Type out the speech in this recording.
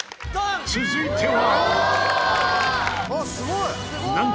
続いては。